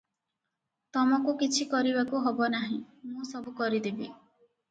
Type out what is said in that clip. ତମକୁ କିଛି କରିବାକୁ ହବ ନାହିଁ, ମୁଁ ସବୁ କରିଦେବି ।"